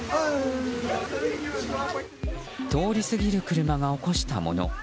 通り過ぎる車が起こしたもの。